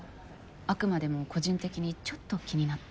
あくまでも個人的にちょっと気になって。